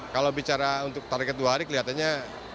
kalau bicara untuk target dua hari kelihatannya